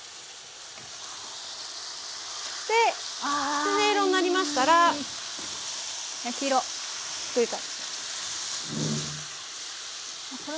できつね色になりましたら焼き色ひっくり返す。